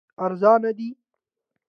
ارزانه دي.